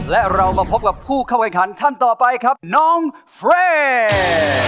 และเรามาพบกับผู้เข้าแข่งขันท่านต่อไปครับน้องเฟร่